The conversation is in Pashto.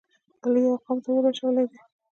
علی یوه قوم ته اور اچولی دی.